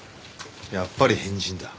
やっぱり変人だ。